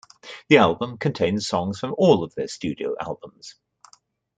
The album contains songs from all of their studio albums.